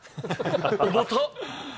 重たっ。